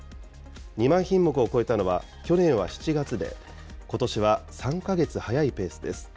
２万品目を超えたのは去年は７月で、ことしは３か月早いペースです。